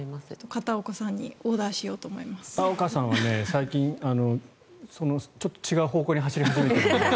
片岡さんは最近ちょっと違う方向に走り始めているので。